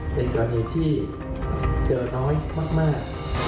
เป็นกรณีที่เจอน้อยมาก